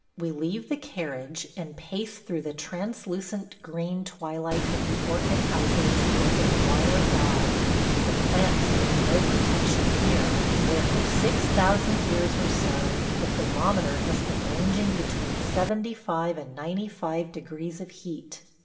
We leave the carriage and pace through the translucent green twilight of the orchid houses built of wire gauze, the plants needing no protection here, where for six thousand years or so the thermometer has been ranging between seventy five and ninety five degrees of heat.